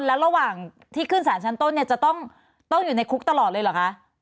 แล้วระหว่างที่ขึ้นสารชั้นต้นเนี่ยจะต้องอยู่ในคุกตลอดเลยเหรอคะ